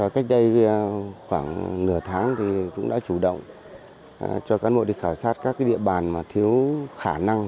cách đây khoảng nửa tháng thì cũng đã chủ động cho cán bộ đi khảo sát các địa bàn mà thiếu khả năng